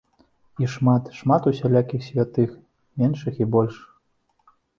І шмат, шмат усялякіх святых, меншых і большых!